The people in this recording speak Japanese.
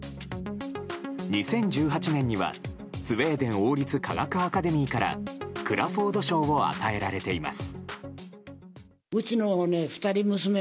２０１８年には、スウェーデン王立科学アカデミーからクラフォード賞を与えられています。